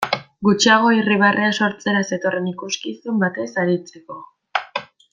Gutxiago irribarrea sortzera zetorren ikuskizun batez aritzeko.